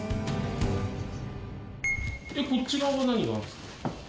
こっち側は何があるんですか？